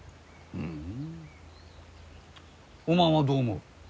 ふんおまんはどう思う？